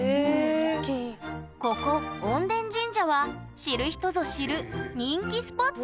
ここ穏田神社は知る人ぞ知る人気スポット！